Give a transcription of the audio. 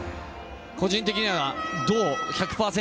個人的には１００％